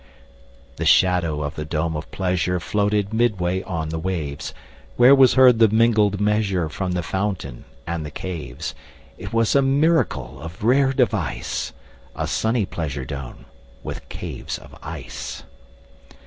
30 The shadow of the dome of pleasure Floated midway on the waves; Where was heard the mingled measure From the fountain and the caves. It was a miracle of rare device, 35 A sunny pleasure dome with caves of ice!